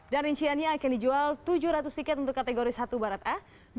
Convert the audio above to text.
dan rinciannya akan dijual tujuh ratus tiket untuk kategori satu barat a